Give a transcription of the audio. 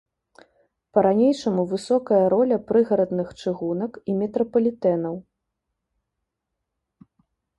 Па-ранейшаму высокая роля прыгарадных чыгунак і метрапалітэнаў.